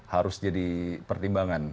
harus jadi pertimbangan